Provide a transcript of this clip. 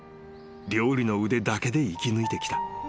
［料理の腕だけで生きぬいてきた］